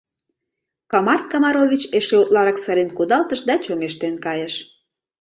Комар Комарович эше утларак сырен кудалтыш да чоҥештен кайыш.